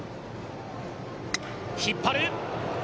引っ張る。